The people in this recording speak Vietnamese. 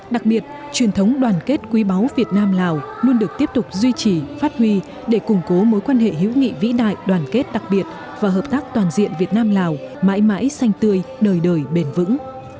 đặc biệt truyền thống đoàn kết quý báu việt nam lào luôn được tiếp tục duy trì phát huy để củng cố mối quan hệ hữu nghị vĩ đại đoàn kết đặc biệt và hợp tác toàn diện việt nam lào mãi mãi xanh tươi đời đời bền vững